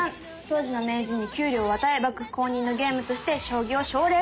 当時の名人に給料を与え幕府公認のゲームとして将棋を奨励したそうです。